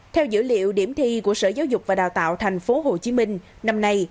theo dữ liệu điểm thi của sở giáo dục và đào tạo tp hcm năm nay